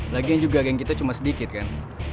laginya juga geng kita cuma sedikit kan